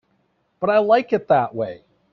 But I like it that way.